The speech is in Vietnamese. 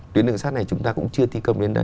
tuyến đường sắt này chúng ta cũng chưa thi công lên đây